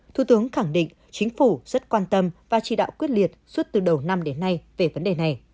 thủ tướng khẳng định chính phủ rất quan tâm và chỉ đạo quyết liệt suốt từ đầu năm đến nay về vấn đề này